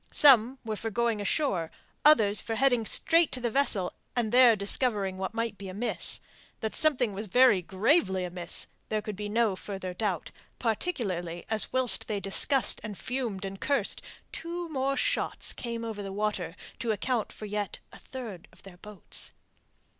Some were for going ashore, others for heading straight to the vessel and there discovering what might be amiss. That something was very gravely amiss there could be no further doubt, particularly as whilst they discussed and fumed and cursed two more shots came over the water to account for yet a third of their boats.